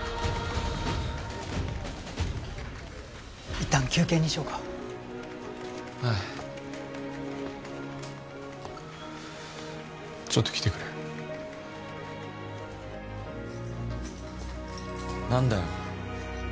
一旦休憩にしようかはいちょっと来てくれ何だよ